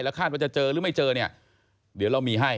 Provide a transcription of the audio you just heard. แล้วคาดว่าจะเจอหรือไม่เจอเนี่ย